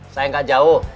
saya nggak jauh